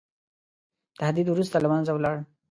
تهدید وروسته له منځه ولاړ.